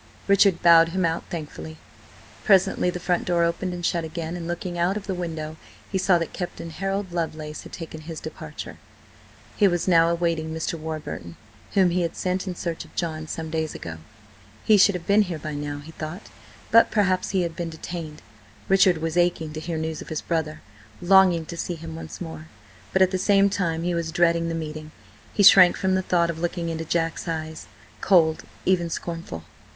Richard bowed him out thankfully. Presently the front door opened and shut again, and looking out of the window he saw that Captain Harold Lovelace had taken his departure. He was now awaiting Mr. Warburton, whom he had sent in search of John some days ago. He should have been here by now, he thought, but perhaps he had been detained. Richard was aching to hear news of his brother, longing to see him once more. But at the same time he was dreading the meeting; he shrank from the thought of looking into Jack's eyes, cold–even scornful.